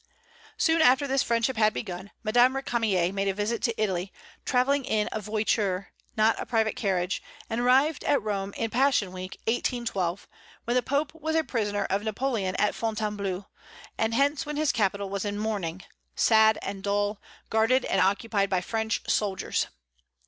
Soon after this friendship had begun, Madame Récamier made a visit to Italy, travelling in a voiture, not a private carriage, and arrived at Rome in Passion Week, 1812, when the Pope was a prisoner of Napoleon at Fontainebleau, and hence when his capital was in mourning, sad and dull, guarded and occupied by French soldiers.